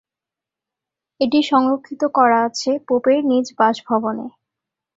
এটি সংরক্ষিত করা আছে পোপের নিজ বাসভবনে।